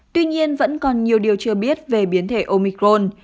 tuy nhiên vẫn còn nhiều điều chưa biết về biến thể omicron